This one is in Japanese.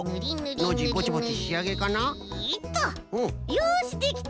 よしできた！